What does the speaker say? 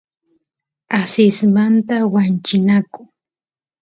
asismanta wanchinaku